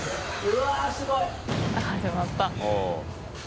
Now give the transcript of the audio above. うわっすごい。